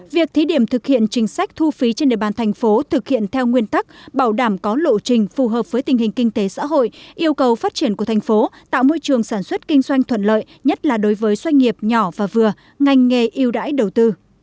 việc thí điểm thực hiện chính sách thu phí trên địa bàn thành phố thực hiện theo nguyên tắc bảo đảm có lộ trình phù hợp với tình hình kinh tế xã hội yêu cầu phát triển của thành phố tạo môi trường sản xuất kinh doanh thuận lợi nhất là đối với doanh nghiệp nhỏ và vừa ngành nghề yêu đãi đầu tư